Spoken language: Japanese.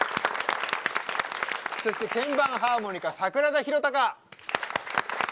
そして鍵盤ハーモニカ櫻田泰啓。